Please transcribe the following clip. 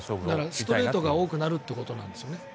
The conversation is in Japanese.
ストレートが多くなるということですよね。